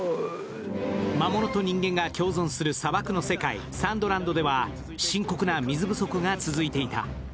魔物と人間が共存する砂漠の世界・サンドランドでは深刻な水不足が続いていた。